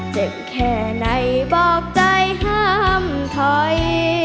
เจ็บแค่ไหนบอกใจห้ามถอย